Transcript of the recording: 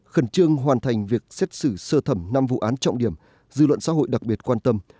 khẩn trương hoàn thành việc xét xử sơ thẩm năm vụ án trọng điểm dư luận xã hội đặc biệt quan tâm